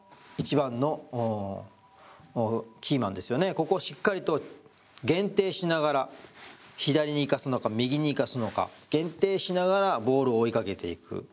ここをしっかりと限定しながら左に行かすのか右に行かすのか限定しながらボールを追いかけていく。